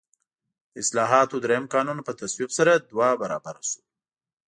د اصلاحاتو درېیم قانون په تصویب سره دوه برابره شو.